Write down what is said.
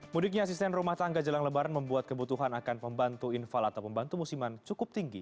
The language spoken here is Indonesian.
mudiknya asisten rumah tangga jelang lebaran membuat kebutuhan akan pembantu infal atau pembantu musiman cukup tinggi